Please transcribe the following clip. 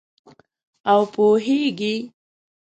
او پوهیږې